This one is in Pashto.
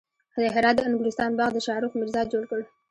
د هرات د انګورستان باغ د شاهرخ میرزا جوړ کړ